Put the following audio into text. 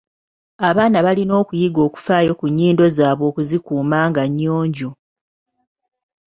Abaana balina okuyiga okufaayo ku nnyindo zaabwe okuzikuuma nga nnyonjo.